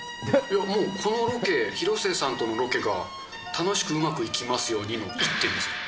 もうこのロケ、広末さんとのロケが楽しくうまくいきますようにという一点ですね。